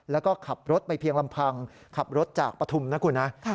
แล้วก็ขับรถไปเพียงลำพังขับรถจากปฐุมนะคุณนะ